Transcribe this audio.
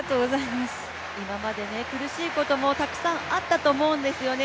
今まで苦しいこともたくさんあったと思うんですよね。